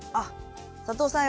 佐藤さん